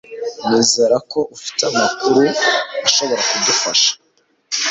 Nizera ko ufite amakuru ashobora kudufasha